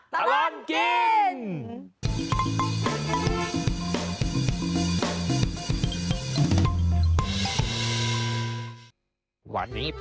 ตารันกิน